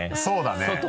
そうだね。